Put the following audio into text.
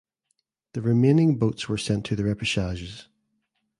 The remaining boats were sent to the repechages.